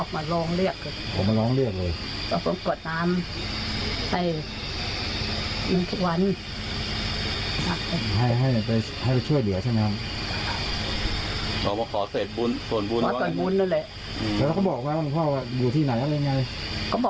ในฝันนี้เค้าบอกมั้ยเค้าโดนฆ่าหรืออะไรครับ